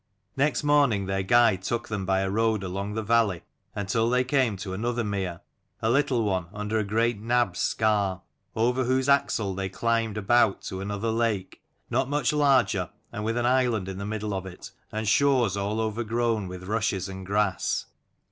Next morning their guide took them by a road along the valley until they came to another mere, a little one, under a great nab's scar: over whose axle they climbed about to another lake, not much larger, and with an island in the middle of it, and shores all overgrown with rushes and grass.